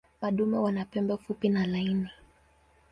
Madume wana pembe fupi na laini.